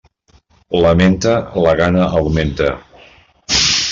La menta, la gana augmenta.